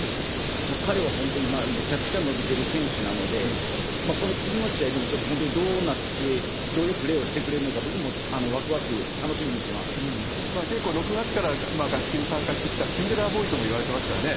彼は本当にめちゃくちゃ伸びてる選手なので、この次の試合でも、ちょっと本当にどうなって、どういうプレーをしてくれるのか、僕もわくわく、結構、６月から合宿に参加してきたシンデレラボーイともいわれてますからね。